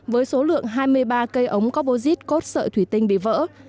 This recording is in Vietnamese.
với số lượng truyền tải nước